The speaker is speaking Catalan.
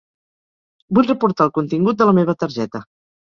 Vull reportar el contingut de la meva targeta.